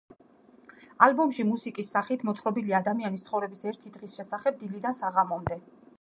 ალბომში მუსიკის სახით მოთხრობილია ადამიანის ცხოვრების ერთი დღის შესახებ, დილიდან საღამომდე.